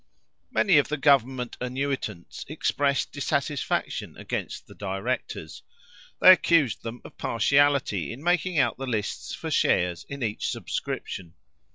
Many of the government annuitants expressed dissatisfaction against the directors. They accused them of partiality in making out the lists for shares in each subscription.